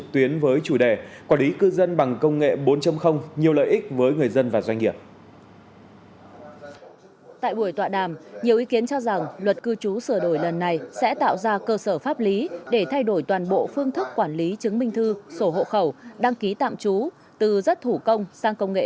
tại buổi tọa đàm nhiều ý kiến cho rằng luật cư trú sửa đổi lần này sẽ tạo ra cơ sở pháp lý để thay đổi toàn bộ phương thức quản lý chứng minh thư sổ hộ khẩu đăng ký tạm trú từ rất thủ công sang công nghệ bốn